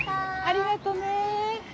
ありがとね。